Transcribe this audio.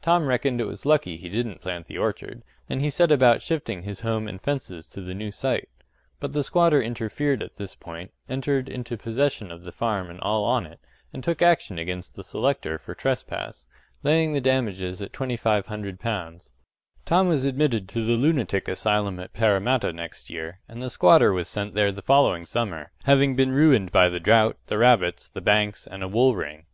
Tom reckoned it was lucky he didn't plant the orchard, and he set about shifting his home and fences to the new site. But the squatter interfered at this point, entered into possession of the farm and all on it, and took action against the selector for trespass laying the damages at L2500. Tom was admitted to the lunatic asylum at Parramatta next year, and the squatter was sent there the following summer, having been ruined by the drought, the rabbits, the banks, and a wool ring.